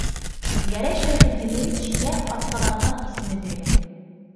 Гәрәй Шәйхетдинович һиңә атҡаҙанған исеме биргән...